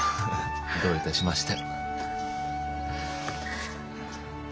どういたしまして。